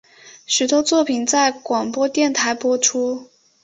许多作品在广播电台播出。